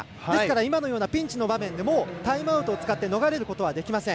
今のようなピンチの場面でもタイムアウトを使って逃れることができません。